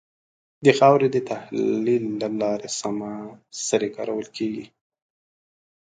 د خاورې د تحلیل له لارې سمه سري کارول کېږي.